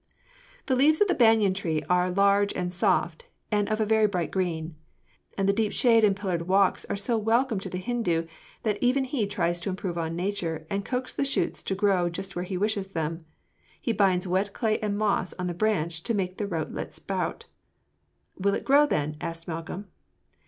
"The leaves of the banyan tree are large and soft and of a very bright green, and the deep shade and pillared walks are so welcome to the Hindu that he even tries to improve on Nature and coax the shoots to grow just where he wishes them. He binds wet clay and moss on the branch to make the rootlet sprout." "Will it grow then?" asked Malcolm.